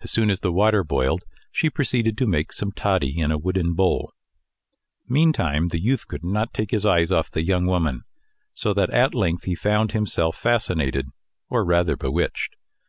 As soon as the water boiled, she proceeded to make some toddy in a wooden bowl. Meantime the youth could not take his eyes off the young woman, so that at length he found himself fascinated, or rather bewitched.